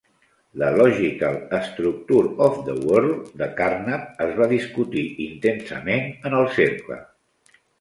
La "Logical Structure of the World" de Carnap es va discutir intensament en el Cercle.